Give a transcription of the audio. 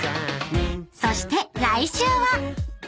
［そして来週は！］